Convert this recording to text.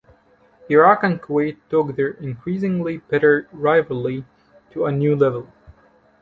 Iraq and Kuwait took their increasingly bitter rivalry to a new level.